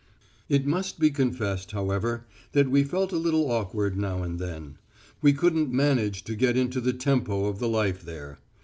It must be confessed, however, that we felt a little awkward now and then. We couldn't manage to get into the tempo of the life there.